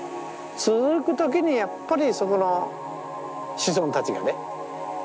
続く時にやっぱりそこの子孫たちがね